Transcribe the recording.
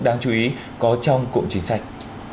đáng chú ý có trong cụm chính sách